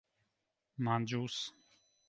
manĝus